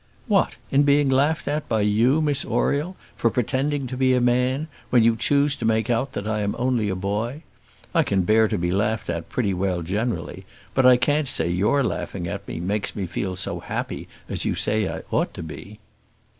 "What, in being laughed at by you, Miss Oriel, for pretending to be a man, when you choose to make out that I am only a boy? I can bear to be laughed at pretty well generally, but I can't say that your laughing at me makes me feel so happy as you say I ought to be."